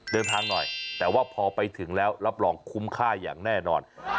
เดินทางหน่อยแต่ว่าพอไปถึงแล้วรับรองคุ้มค่าอย่างแน่นอน